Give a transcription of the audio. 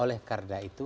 oleh karena itu